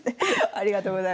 ありがとうございます。